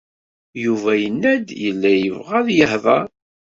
Yuba yenna-d yella yebɣa ad yehder.